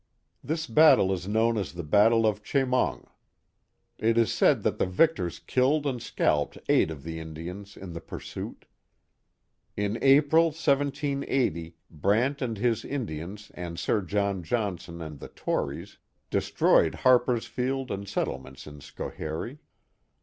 This battle is known as the battle of Chemung. It is said that the victors killed and scalped eight of the Indians in the pursuit. In April, 1780, Brant and his Indians and Sir John Johnson and the Tories, destroyed Harpersfield and settlements in Schoharie.